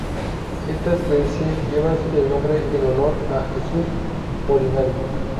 Esta especie lleva el nombre en honor a Jesús Molinari.